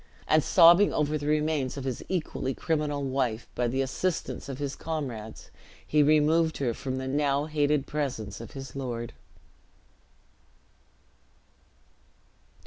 and sobbing over the remains of his equally criminal wife, by the assistance of his comrades he removed her from the now hated presence of his lord.